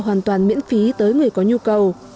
hoàn toàn miễn phí tới người có nhu cầu